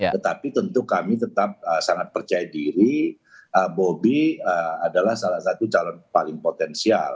tetapi tentu kami tetap sangat percaya diri bobi adalah salah satu calon paling potensial